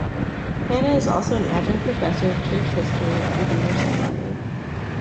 Hannah is also an adjunct professor of Church History at Redeemer Seminary.